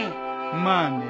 まあね。